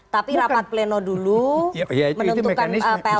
tapi rapat pleno dulu menentukan plt ketua umum